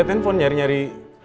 lihat handphone nyari nyari